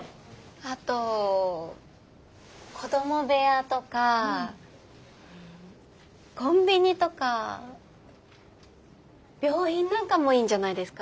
あと子ども部屋とかコンビニとか病院なんかもいいんじゃないですか。